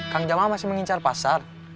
kang jamaah masih mengincar pasar